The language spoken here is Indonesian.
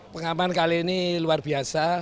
pengaman kali ini luar biasa